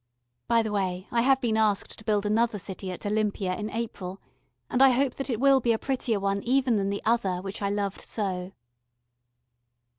By the way, I have been asked to build another city at Olympia in April, and I hope that it will be a prettier one even than the other which I loved so.